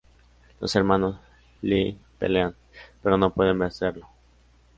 Los hermanos Lee pelean, pero no pueden vencerlo.